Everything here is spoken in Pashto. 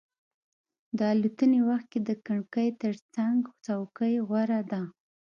د الوتنې وخت کې د کړکۍ ترڅنګ څوکۍ غوره ده.